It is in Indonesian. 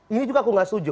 ini juga aku gak setuju